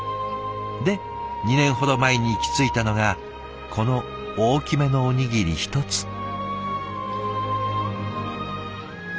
で２年ほど前に行き着いたのがこの大きめのおにぎり１つ。